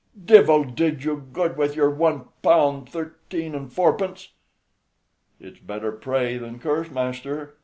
"Divil do you good with your one pound thirteen and four pence!" "It's better pray than curse, master.